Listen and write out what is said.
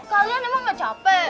kalian emang gak capek